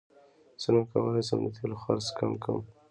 څنګه کولی شم د تیلو خرڅ کم کړم